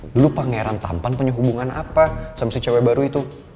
lu lupa ngerantampan punya hubungan apa sama si cewek baru itu